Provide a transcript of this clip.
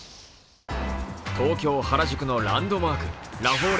東京・原宿のランドマーク、ラフォーレ